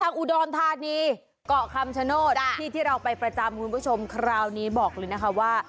อุดรธานีเกาะคำชโนธที่ที่เราไปประจำคุณผู้ชมคราวนี้บอกเลยนะคะว่า